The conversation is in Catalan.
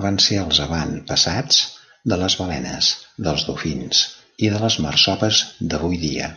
Van ser els avantpassats de les balenes, dels dofins i de les marsopes d'avui dia.